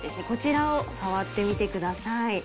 こちらを触ってみてください。